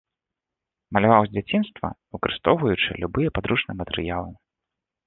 Маляваў з дзяцінства, выкарыстоўваючы любыя падручныя матэрыялы.